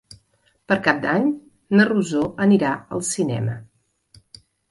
Per Cap d'Any na Rosó anirà al cinema.